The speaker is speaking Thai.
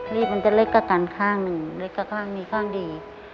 มันจะเล็กกว่าตันข้างหนึ่งเล็กก็ข้างนี้ข้างดี